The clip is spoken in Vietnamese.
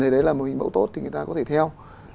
để làm một hình mẫu tốt thì người ta có thể theo